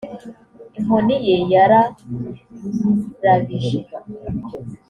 inkoni ye yararabije